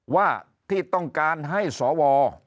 ว่าที่ต้องการให้สว